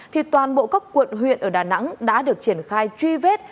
thì toàn bộ các quận huyện ở đà nẵng đã được triển khai truy vết